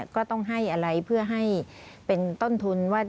ก็ต้องให้อะไรเพื่อให้เป็นต้นทุนว่า